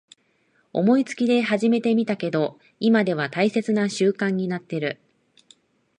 思いつきで始めてみたけど今では大切な習慣になってる